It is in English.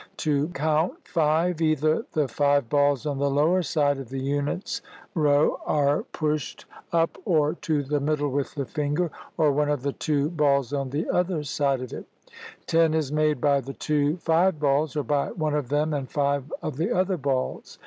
To count five, either the five balls on the lower side of the units row are pushed 26 CUSTOMS OF CONFUCIUS'S DAY up or to the middle with the finger, or one of the two balls on the other side of it. Ten is made by the two five balls, or by one of them and five of the other balls.